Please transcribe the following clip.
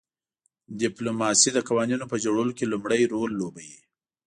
ډیپلوماسي د قوانینو په جوړولو کې لومړی رول لوبوي